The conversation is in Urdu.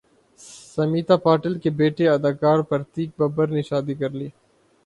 سمیتا پاٹیل کے بیٹے اداکار پرتیک ببر نے شادی کرلی